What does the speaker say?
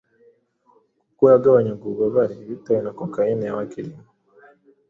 kuko yagabanyaga ububabare bitewe na cocaine yabaga irimo.